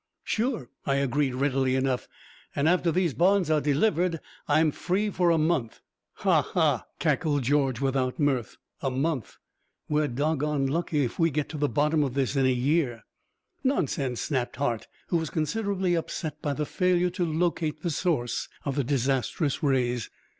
"Sure," I agreed, readily enough. "After these bonds are delivered I am free for a month." "Ha! Ha!" cackled George, without mirth. "A month! We're doggoned lucky if we get to the bottom of this in a year." "Nonsense!" snapped Hart, who was considerably upset by the failure to locate the source of the disastrous rays.